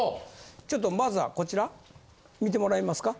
ちょっとまずはこちら見てもらいますか？